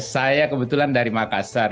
saya kebetulan dari makassar